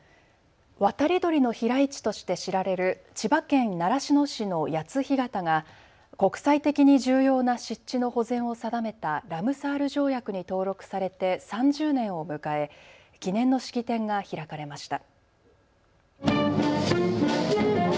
渡り鳥の飛来地として知られる千葉県習志野市の谷津干潟が国際的に重要な湿地の保全を定めたラムサール条約に登録されて３０年を迎え記念の式典が開かれました。